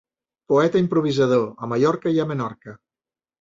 Poeta improvisador, a Mallorca i a Menorca.